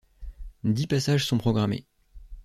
Dix passages sont programmés.